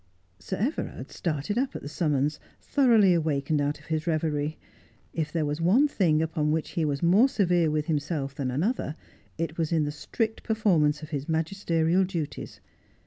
Sir Everard started up at the summons, thoroughly awakened out of his reverie. If there was one thing upon which he was more severe with himself than another it was in the strict performance of his magisterial duties.